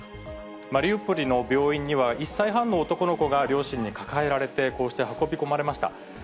マリウポリの病院には１歳半の男の子が両親に抱えられて、こうして運び込まれました。